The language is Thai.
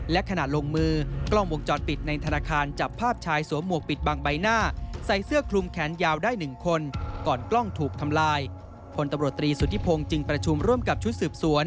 และขนาดลงมือ